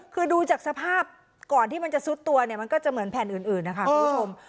คือดูจากสภาพก่อนที่มันจะซุดตัวเนี่ยมันก็จะเหมือนแผ่นอื่นนะคะคุณผู้ชม